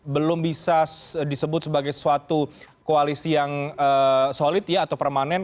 belum bisa disebut sebagai suatu koalisi yang solid ya atau permanen